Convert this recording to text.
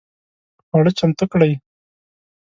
خواړه چمتو کړئ